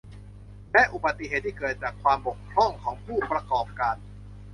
และอุบัติเหตุที่เกิดจากความบกพร่องของผู้ประกอบการ